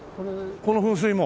この噴水も。